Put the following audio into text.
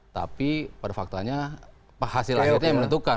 tapi pada faktanya hasil akhirnya yang menentukan